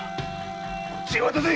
こっちへ渡せ！